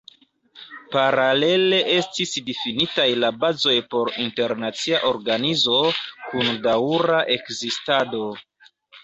Paralele estis difinitaj la bazoj por internacia organizo, kun daŭra ekzistado.